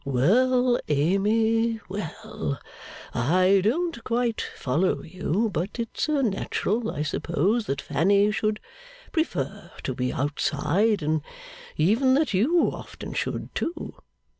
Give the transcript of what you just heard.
'Well, Amy, well. I don't quite follow you, but it's natural I suppose that Fanny should prefer to be outside, and even that you often should, too.